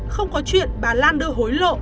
không có chuyện bà lan đưa hối lộ